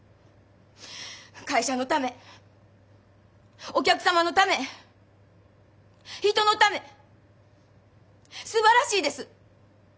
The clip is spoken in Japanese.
会社のためお客様のため人のためすばらしいです。